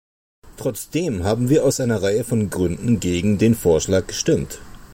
Trotzdem haben wir aus einer Reihe von Gründen gegen den Vorschlag gestimmt.